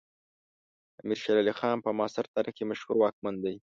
امیر شیر علی خان په معاصر تاریخ کې یو مشهور واکمن دی.